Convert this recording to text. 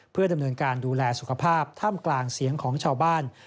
เพื่อดำเนินการดูแลสุขภาพท่ามกลางเสียงของชาวบ้าน